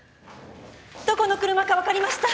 どこの車か分かりました。